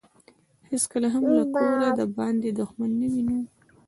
هیڅکله هم له کوره دباندې دښمن نه وينو.